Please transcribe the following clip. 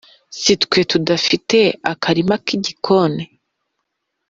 si twe tudafite akarima k’igikoni.